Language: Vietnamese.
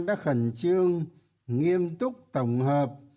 đã khẩn trương nghiêm túc tổng hợp